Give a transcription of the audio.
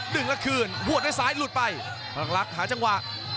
ละคืนหัวด้วยซ้ายหลุดไปพลังลักษณ์หาจังหวะ